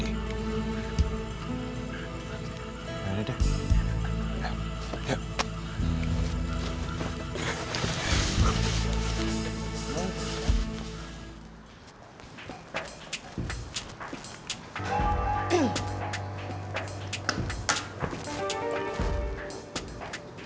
ya udah deh